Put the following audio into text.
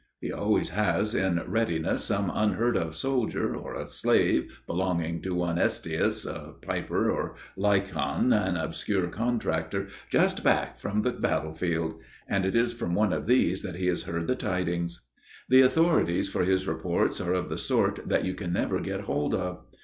He always has in readiness some unheard of soldier or a slave belonging to one Asteus, a piper, or Lycon, an obscure contractor, just back from the battle field; and it is from one of these that he has heard the tidings. The authorities for his reports are of the sort that you can never get hold of.